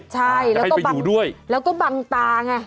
ใช่แล้วก็บังตาไง